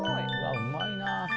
うまいな。